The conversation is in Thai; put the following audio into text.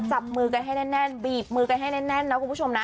จับมือกันให้แน่นบีบมือกันให้แน่นนะคุณผู้ชมนะ